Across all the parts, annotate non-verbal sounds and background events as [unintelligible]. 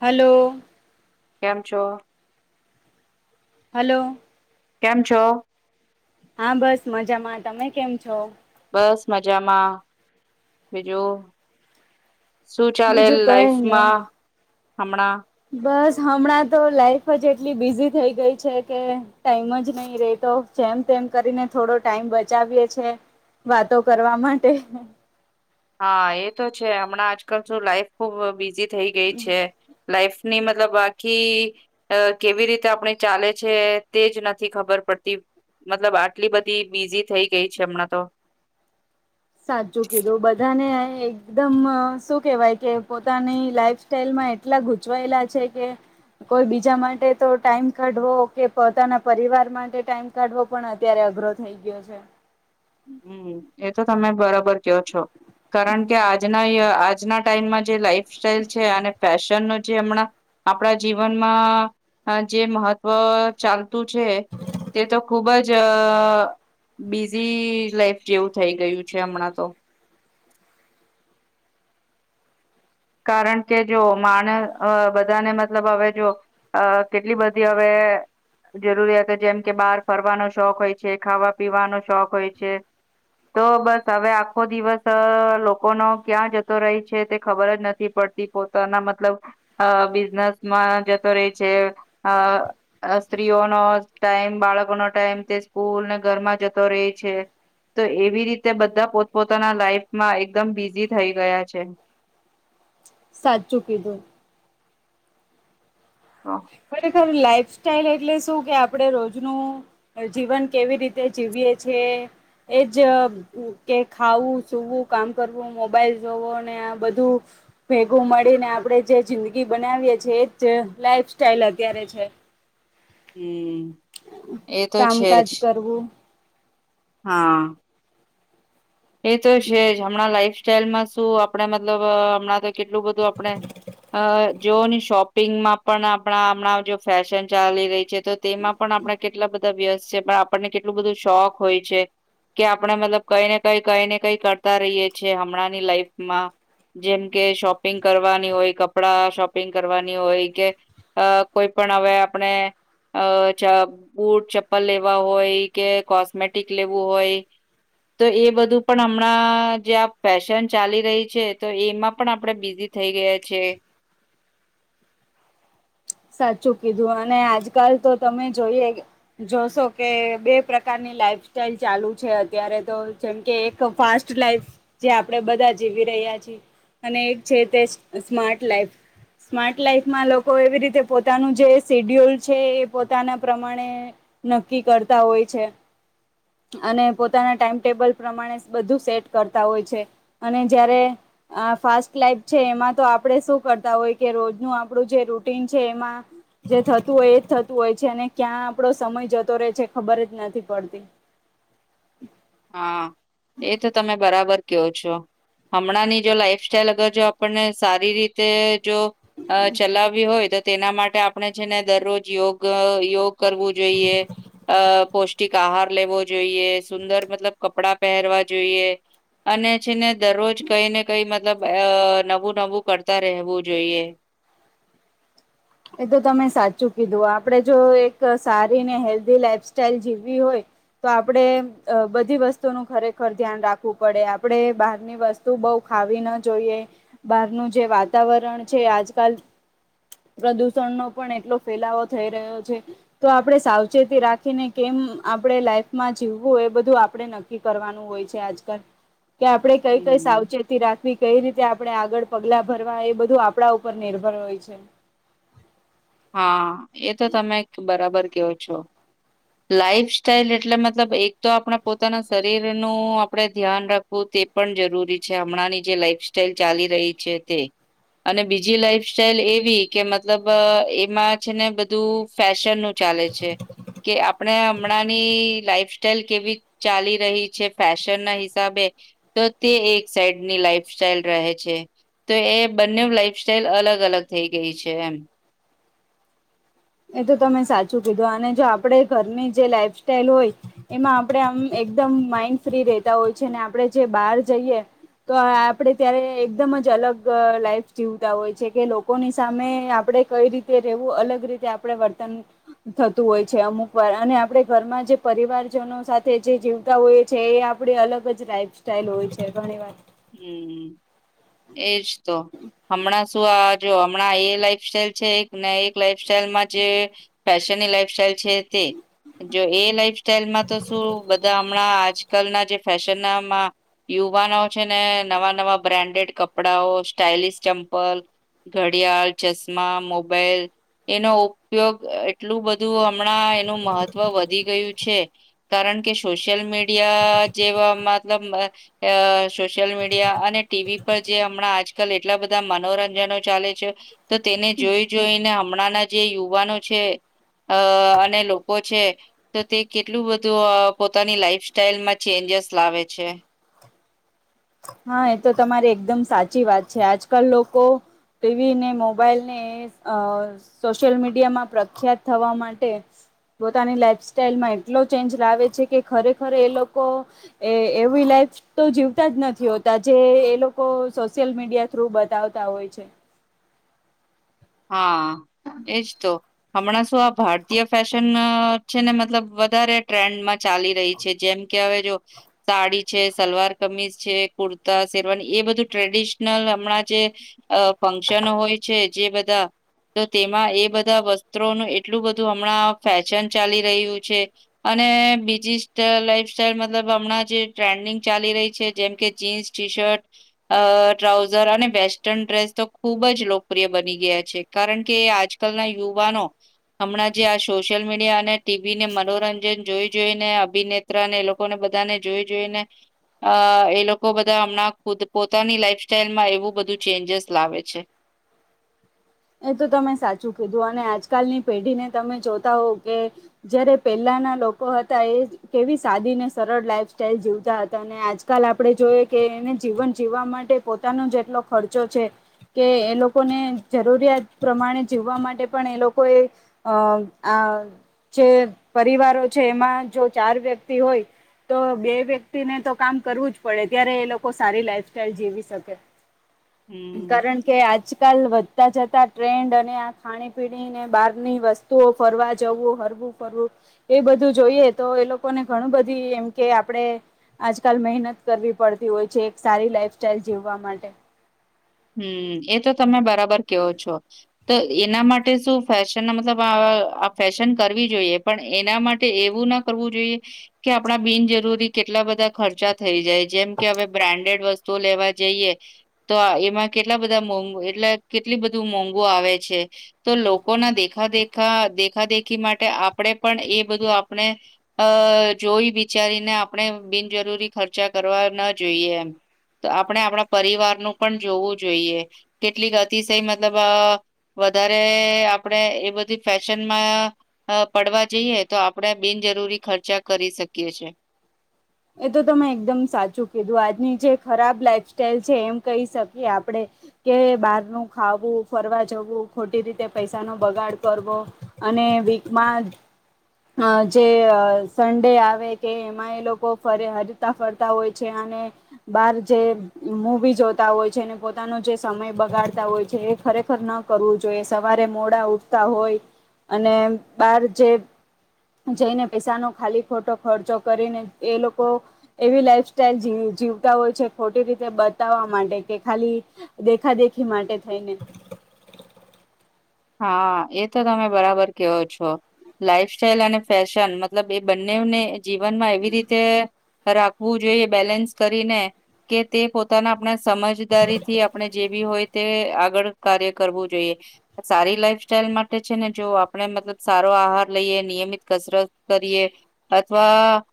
Hello પાંચો hello કેમ છો? હા બસ મજામાં તમે કેમ છો? બસ મજામાં બીજું. શું ચાલે બીજું કઈ લાાઈફમાં નહી હમણાં. બસ હમણાં તો લાાઈફ જ એટલી બિઝી થઈ ગઈ છે કે ટાઈમ જ નહી રેતો. એમ તેમ કરીને થોડો ટાઈમ બચાવીએ છે વાતો કરવા માટે. હા એ તો છે હમણાં આજકાલ શું લાઈફ ખુબ બિઝી થઈ ગઈ છે. લાઈફ ની મતલબ આખી કેવી રીતે આપણી ચાલે છે તે જ નથી ખબર. પડતી મતલબ આટલી બધી બીઝી થઈ ગઈ છે હમણાં તો. સાચું કીધું બધાને એકદમ શું કેવાય કે પોતાની લાઈફ સ્ટાઈલ માં એટલા ગૂચવાયેલા છે કે. કોઈ બીજા માટે તો ટાઈમ કાઢવો કે પોતાના પરિવાર માટે ટાઈમ કાઢવો પણ અત્યારે. અઘરો થઈ ગયો છે. હમ એ તો તમે બરાબર કયો છો. કારણ કે આજના આજના ટાઈમમાં જે લાઈફ સ્ટાઈલ છે અને. ફેશન ન જે હમણાં આપણા જીવનમાં જે મહત્વ ચાલતું. છે તે તો ખુબ જ બિઝી. લાઈફ જેવું થઈ ગયું છે હમણાં તો. કારણ કે જો માણ બધાને મતલબ હવે જો કેટલી બધી હવે. હ. જરૂરિયાત જેમ કે બહાર ફરવાનો શોખ હોય છે. ખાવા પીવાનો શોખ હોય છે. તો બસ હવે આખો દિવસ લોકોનો ક્યાં જતો રહી છે તે ખબર જ ન. નથી પડતી પોતાના મતલબ બિઝનેસમાં જતો રે છે. સ્ત્રીઓનો ટાઈમ બાળકોનો ટાઈમ તે સ્કૂલને ઘરમાં જતો રહેે છે. તો એવી રીતે બધા પોતપોતાના લાઈફમાં એકદમ બિઝી થઈ ગયા છે. [unintelligible] સાચું કીધું. તો ખરેખર લાઈફ સ્ટાઈલ એટલે શું કે આપણે રોજનું જીવન કેવી રીતે જીવીએ. કે છે. એજ કે ખાવું સુવું કામ કરવું મોબાઈલ જોવો ને આ બધું. ભેગું મળીને આપડે જે જિંદગી બનાવીએ છીએ એ જ લાઈફ. સ્ટાઇલ અત્યારે છે. હમ્મ એ તો છે જ. કામકાજ કરવું હા. એ તો છે જ હમણાં લાઈફ સાઈલમાં શું આપડે મતલબ હમણાં તો. કેટલું બધું આપણે અ. જોની શોપિંગમાં પણ આપણા હમણાં જો ફેશન ચાલી રહી છે તો તેમાં પણ આપણા કેટલા બધા. વ્યત છે પણ આપણને કેટલું બધું શોખ હોય છે કે આપણે મતલબ કઈને. કઈ કઈ ને કઈ કરતા રહીએ છીએ હમણાંની લાઈફ માં. જેમ કે શોપિંગ કરવાની હોય કપડા શોપિંગ કરવાની હોય કે. અ કોઈ પણ હવે આપણે. અ ચ બુટ ચપ્પલ લેવા હોય કે કોસ્મેટિક લેવું હોય. [inaudible] તો એ બધું પણ હમણાં જે આ ફેશન ચાલી રહી છે તો એમાં પણ આપણેે બીઝી થઈ ગઈ. છે. સાચું કીધું અને આજકાલ તો તમે જોઈએ જોશો કે બે પ્રકારની. લાઇફ સ્ટાઇલ ચાલુ છે અત્યારે તો જેમ કે એક ફાસ્ટ લાઈફ જે આપડે બધા જીવી. રહ્યા છી, અને એક છે તે સ્માર્ટ લાઈફ સ્માર્ટ લાઈફમાં લોકો એવી રીતે. પોતાનું જે સેડ્યુલ છે એ પોતાના પ્રમાણે નક્કી કરતા હોય છે. અને પોતાના ટાઈમટેબલ પ્રમાણે બધું સેટ કરતા હોય છે અને જયારે. આ ફાસ્ટ લાઈફ છે એમાં તો આપડે શું કરતા હોય કે રોજનું આપણું જે રૂટીન. છે એમાં જે થતું હોય એ જ થતું હોય છે અને ક્યાં આપડો સમય જતો રહે છે ખબર જ નથી. પડતી. [inaudible] હા એ તો તમે બરાબર કયો છો હમણાં ની જો લાઈફ સ્ટાઈલ અગર જો આપણને સારી રીતે જો અ ચલાવવી હોય તો તેના માટે આપણે છે ને દરરોજ યોગ યોગ કરવું જોઈએ અ પૌષ્ટિક આહાર લેવો જોઈએ સુંદર મતલબ કપડા પહેરવા જોઈએ. અને છેને દરરોજ કઈ ને કઈ મતલબ અ નવું નવું કરતા રહેવું જોઈએ. [inaudible] એ તો તમે સાચું કીધું આપડે જો એક સારી ને હેલ્ધી લાઈફ સ્ટાઈલ જીવવી હોય. તો આપણે બધી વસ્તુ નું ખરેખર ધ્યાન રાખવું પડે આપણે બહારની વસ્તુ બવ ખાવી ના જોઈએ બહારનું જે વાતાવરણ છે આજકાલ [unintelligible] પ્રદૂષણનો પણ એટલો ફેલાવો થઈ રહ્યો છે તો આપણે સાવચેતી રાખીને કેમ આપણે લાઈફ માં જીવવું એ બધું આપણે નક્કી કરવાનું હોય છે આજકાલ કે આપડે કઈ કઈ હમ સાવચેતી રાખવી કઈ રીતે આપણે આગળ પગલા ભરવા એ બધું આપણા ઉપર નિર્ભર હોય છે. હા એ તો તમે બરાબર કેહો છો. લાાઈફ સ્ટાઈલ એટલે મતલબ એક તો આપણે પોતાના શરીર નું આપડે ધ્યાન રાખવું. તે પણ જરૂરી છે હમણાંની જે લાઈફસ્ટાઈલ ચાલી રહી છે તે અને બીજી લાઈફ સ્ટાઈલ એવી કે મતલબ એમાં છે ને બધું ફેશન નું ચાલે છે કે આપણે હમણાં ની લાઈફ સ્ટાઈલ કેવી ચાલી રહી છે ફેશન ના હિસાબે તો તે એક સાઈડની લાઈફ સ્ટાઈલ રહે છે તો એ બંને લાઈફ સ્ટાઈલ અલગ અલગ થઈ ગઈ છે એમ. એ તો તમે સાચું કીધું અને જો આપણે ઘરની જે લાઈફ સ્ટાઈલ હોય એમાં આપડે આમ એકદમ માઈન્ડ ફ્રી રેતા હોય છે અને આપડે જે બહાર જઈએ તો આપડે ત્યારે એકદમ જ અલગ લાઈફ જીવતા હોય છે કે લોકોની સામે આપણે આપડે કઈ રીતે રવું અલગ રીતે આપ ણે વર્તન થતું હોય છે અમુક વાર અને આપણે ઘરમાં જે પરિવારજનો સાથે જે હોય છે એ આપણે અલગ જ લાઇફ સ્ટાઈલ હોય છે ઘણી વાર હમ્મ એજ તો હમણાં શું આ જો હમણાં એ લાઈફ સ્ટાઈલ છે એક ને એક લાઈફ સ્ટાઈલમાં જે ફેશનની લાઈફ સ્ટાઈલ છે તે જો એ લાઈફ સ્ટાઈલમાં તો શું બધા હમણાં આજકાલના જે ફેશન ના મા યુવાનો છે ને નવા નવા બ્રાન્ડેડ કપડાઓ સ્ટાઈલસ ચમ્પલ ઘડિયાળ ચશ્મા મોબાઈલ એનો ઉપયોગ એટલું બધું હમણાં એનું મહત્વ વધી ગયું છે કારણ કે સોશિયલ મીડિયા જેવા મતલબ સોશિયલ મીડિયા અને ટીવી પર જે હમણાં આજકાલ એટલા બધા મનોરંજનો ચાલે છે. તો તેને જોઈ જોઈને હમણાંના જે યુવાનો છે અ અને લોકો છે તો તે કેટલું બધું પોતાની લાઈફ સ્ટાઈલ માં ચેન્જ સ લાવે છે. હા એ તો તમારી એકદમ સાચી વાત છે આજકાલ લોકો ટીવી ને મોબાઈલ ને અ સોશિયલ મીડિયા માં પ્રખ્યાત થવા માટે પોતાની લાઈફ સ્ટાઈલમાં એટલો ચેન્જ લાવે છે કે ખરેખર એ લોકો એ એવી લાઈફ તો જીવતા જ નથી તો આજે એ લોકો સોશિયલ મીડિયા થ્રુ બતાવતા હોય છે. હા એજ તો હમણાં શું આ ભારતીય ફેશન છે ને મતલબ વધારે ટ્રેન્ડમાં ચાલી રહી છે. જેમ કે હવે જો સાડી છે સલવાર કમીજ છે કુર્તા શેરવાની એ બધું ટ્રેડિશનલ હમણાં જે અ ફંક્શન હોય છે જે બ ધા તો તેમાં એ બધા વસ્ત્રોનું એટલું બધું હમણાં ફેશન ચાલી રહ્યું છે. અને ને બીજીસ્ટ લાઈફ સાઈલ મતલબ હમણાં જે ટ્રેન્ડિંગ ચાલી રઈ છે. જેમ કે જીન્સ, ટી-શર્ટ અ ટ્રાઉઝર અને વેસ્ટર્ન ડ્રેસ તો ખુબ જ લોકપ્રિય બની ગયા છે. કારણ કે આજકાલના યુવાનો હમણાં જે આ સોશિયલ મીડિયા અને ટીવીને મનોરંજન જોઈ-જોઈને અભિનેત્રાને એ લોકોને બધાને જોઈ-જોઈને અ એ લોકો બધા હમણાં ખુદ પોતાની લાઈફ સ્ટાઈલમાં એવું બધું ચેન્જિસ લાવે છે. [inaudible] એ તો તમે સાચું કીધું અને આજકાલની પેઢીને તમે જોતા હો કે જયારે પેલા ના લોકો હતા. એ કેવી સાદી ને સરળ લાઈફ સ્ટાઈલ જીવતા હતા. અને આજકાલ આપડે જોઈએ કે એ એને જીવન જીવવા માટે પોતાનો જ એટલો ખર્ચો છે કે એ લોકોને જરૂરિયાત પ્રમાણે જીવવા માટે પણ એ લોકોએ અ આ જે પરિવારો છે. એમાં જો ચાર વ્યક્તિ હોય તો બે વ્યક્તિને તો કામ કરવું જ પડે ત્યારે એ લોકો સારી લાઈફ સ્ટાઇલ જીવી શકે. હમ કારણ કે આજકાલ જતા જતા ટ્રેન્ડ અને આ ખાણી-પીણીને બહારની વસ્તુઓ ફરવા જવું હરવું-ફરવું એ બધું જોઈએ. તો એ લોકોને ઘણું બધી એમ કે આપડે આજકાલ મહેનત કરવી પડતી હોય છે. એક સારી લાઈફ સ્ટાઈલ જીવવા માટે. હમ, એ તો તમે બરાબર કયો છો. તો એના માટે શું ફેશન મતલબ અ આ ફેશન કરવી જોઈએ. પણ એના માટે એવું ન કરવું જોઈએ કે આપડા બિનજરૂરી કેટલા બધા ખર્ચા થઈ જાય જેમ કે હવે બ્રાન્ડેડ વસ્તુ લેવા જઈએ તો એમાં કેટલા બધા મોંઘ એટલે કેટલી બધું મોંઘુ આવે છે. તો લોકોના દેખા-દેખા દેખા-દેખી માટે આપડે પણ એ બધું આપણે અ જોઈ વિચારીને આપણે બિનજરૂરી ખર્ચા કરવા ન જોઈએ એમ તો આપણે આપણા પરિવારનું પણ જોવું જોઈએ. કેટલીક અતિશય મતલબ અ વધારે આપડે એ બધી ફેશન માં પડવા જઈએ તો આપડે બિનજરૂરી ખર્ચા કરી શકીએ છીએ. [inaudible] એ તો તમે એકદમ સાચું કીધું. આજની જે ખરાબ લાઈફ સ્ટાઈલ છે એમ કહી શકીએ આપડે કે બારનું ખાવું, ફરવા જવું ખોટી રીતે પૈસાનો બગાડ કરવો અને વીકમાં અ જે અ સન્ડે આવે કે એમાં એ લોકો ફરે હરતા-ફરતા હોય છે. અને બાર જે મૂવી જોતા હોય છે ને પોતાનું જે સમય બગાડતા હોય છે. એ ખરેખર ન કરવું જોઈએ. સવારે મોડા ઉઠતા હોય અને બાર જે જઈને પૈસાનો ખાલી ખોટો ખર્ચો કરીને એ લોકો એવી લાઈફ સ્ટાઈલ જીવતા હોય છે. ખોટી રીતે બતાવવા માટે કે ખાલી દેખા-દેખી માટે થઈને હા, એ તો તમે બરાબર કયો છો. લાઈફ સ્ટાઈલ અને ફેશન મતલબ એ બંનેવ ને જીવનમાં એવી રીતે રાખવું જોઈએ બેલેન્સ કરીને કે તે પોતાના આપણા સમજદારીથી આપણે જેબી હોય તે આગળ કાર્ય કરવું જોઈએ. સારી લાઈફ સ્ટાઈલ માટે છે ને જો આપણે મતલબ સારો આહાર લઈએ, નિયમિત કસરત કરીએ. અથવા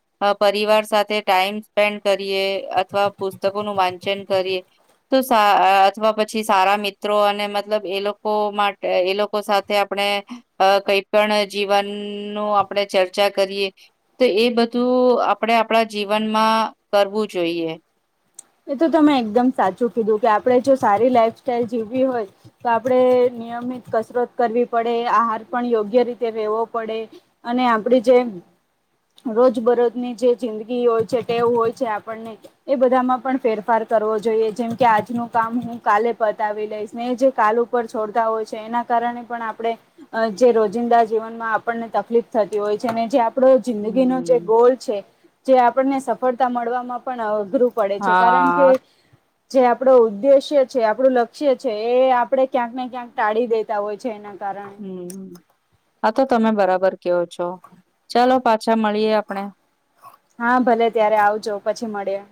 પરિવાર સાથે ટાઈમ સ્પેન્ડ કર રીએ અથવા પુસ્તકોનું વાંચન કરીએ તો સા અ અથવા પછી સારા મિત્રો અને મતલબ એ લોકો મા એ લોકો સાથે આપણે અ કઈ પણ જીવનનું આપણેે ચર્ચા કરીએ તો એ બધું આપડે આપડા જીવનમાં કરવું જોઈએ. એ તો તમે એકદમ સાચું કીધું કે આપડે જો સારી લાઈફ સ્ટાઈલ જીવવી હોય તો આપડે નિયમિત કસરત કરવી પડે. આહાર પણ યોગ્ય રીતે લેવો પડે અને આપડી જેમ રોજબરોજની જે જિંદગી હોય છે. ટેવ હોય છે. આપડને એ બધામાં પણ ફેરફાર કરવો જોઈએ. જેમ કે આજનું કામ હું કાલે પતાવી લઈશ. ને જે કાલ ઉપર છોડતા એ કાર આપણે જે રોજિંદા જીવનમાં આપણને તકલીફ થતી હોય છે, ને જે આપડો જિંદગીનોો જે હમ્મ ગોલ છે, જે આપણને સફળતા મળવાવામાં પણ અઘરું પડે છે. કારણ કે હા જે આપણો ઉદ્દેશ્ય છે, આપણું લક્ષ્ય છે એ આપડે ક્યાંક ને ક્યાંક ટાળી દેતા હોય છે, એના કારણે હમ્મ હા તો તમે બરાબર કેવો છો ચાલો પાછા મળીએ આપણે. હા ભલે ત્યારે આવજો પછી મળે [inaudible]